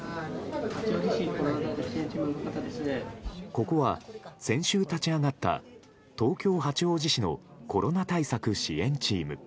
ここは先週立ち上がった東京・八王子市のコロナ対策支援チーム。